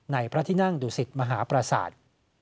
ในพระทินั่งดุศิษฐ์มหาประสาท